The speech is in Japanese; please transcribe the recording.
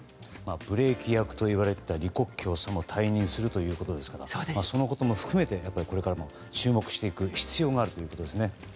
ブレーキ役といわれていた李克強さんが退任するということですがそのことも含めて注目していく必要があるということですね。